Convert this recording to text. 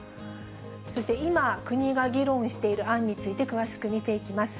そして今、国が議論している案について、詳しく見ていきます。